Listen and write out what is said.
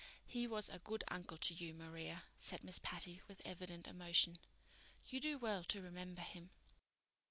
"He was a good uncle to you, Maria," said Miss Patty, with evident emotion. "You do well to remember him."